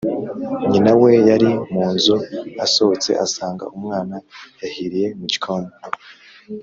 Nyina, we yari mu nzu asohotse asanga umwana yahiriye mu gikoni